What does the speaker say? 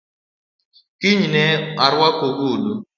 Kiny ne aruak ogudu